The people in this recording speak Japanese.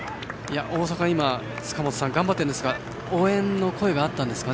大阪の塚本さん頑張っているんですが応援の声があったんですかね